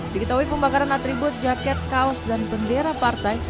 diketahui pembakaran atribut jaket kaos dan bendera partai